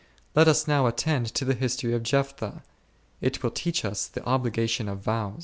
Let us now attend to the history of Jephthah : it will teach us the obligation of vows.